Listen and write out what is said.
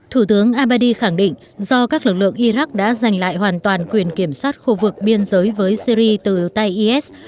thủ tướng abbadi khẳng định do các lực lượng iraq đã giành lại hoàn toàn quyền kiểm soát khu vực biên giới với syri từ tay is